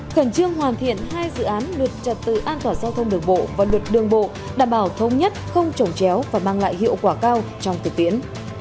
khẩn trương hoàn thiện hai dự án luật trật tự an toàn giao thông đường bộ và luật đường bộ đảm bảo thông nhất không trồng chéo và mang lại hiệu quả cao trong thực tiễn